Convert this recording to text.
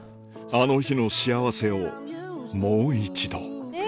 あの日の幸せをもう一度え！